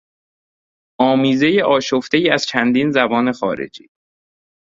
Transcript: آمیزهی آشفتهای از چندین زبان خارجی